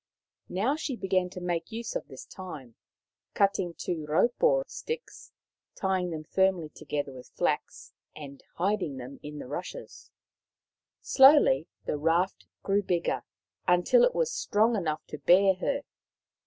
Now she began to make use of this time, cutting raupo sticks, tying them firmly together with flax, and hiding them in the rushes. Slowly the raft grew bigger, until it was strong enough to bear her.